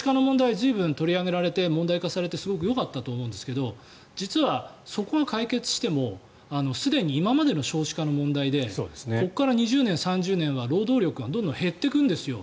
随分取り上げられて問題化されてすごくよかったと思うんですが実は、そこが解決してもすでに今までの少子化の問題でここから２０年、３０年は労働力がどんどん減っていくんですよ。